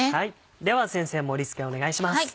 では先生盛り付けお願いします。